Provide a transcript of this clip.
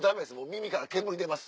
耳から煙出ます。